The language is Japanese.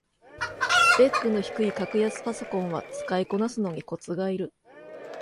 スペックの低い格安パソコンは使いこなすのにコツがいる